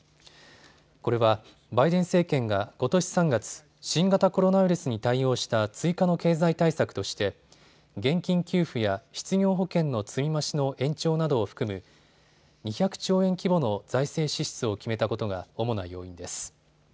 これはバイデン政権がことし３月、新型コロナウイルスに対応した追加の経済対策として現金給付や失業保険の積み増しの延長などを含む２００兆円規模の財政支出を決めたことが主な要因です。